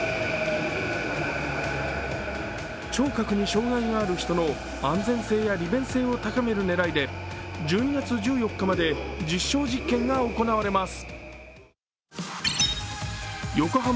聴覚に障害がある人の安全性や利便性を高める狙いで１２月１４日まで実証実験が行われます。